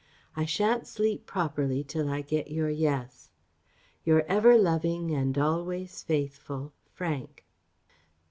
I shan't sleep properly till I get your "yes." Your ever loving and always faithful FRANK.